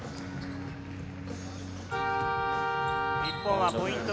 日本はポイント